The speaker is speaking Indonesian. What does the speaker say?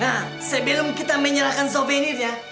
nah sebelum kita menyerahkan souvenirnya